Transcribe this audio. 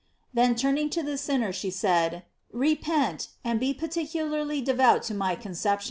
Then turning to the sinner, she said: "Repent," and be particularly devout to my Conception.!